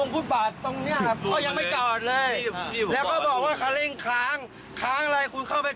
เขาขับตามคุณมา